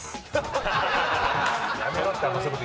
やめろって。